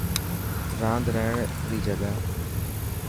راند رهڻ ري جڳهه.